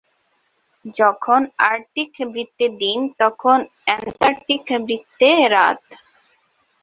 যখন আর্কটিক বৃত্তে দিন তখন অ্যান্টার্কটিক বৃত্তে রাত।